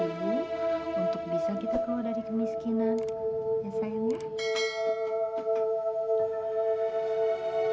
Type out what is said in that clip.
untuk bisa kita keluar dari kemiskinan